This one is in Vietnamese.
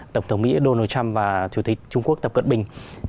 tổng thống mỹ donald trump và chủ tịch trung quốc tập cận bình